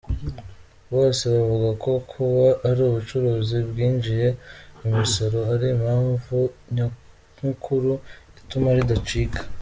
Bose bavuga ko kuba ari ubucuruzi bwinjiza imisoro ari mpamvu nyamkuru ituma ridacika.